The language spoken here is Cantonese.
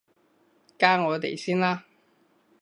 加我哋先啦